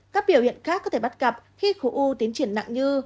các biểu hiện khác có thể bắt cặp khi khổ u tiến triển nặng như